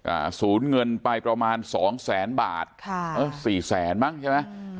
ศูนย์เงินไปประมาณสองแสนบาทค่ะเออสี่แสนมั้งใช่ไหมอืม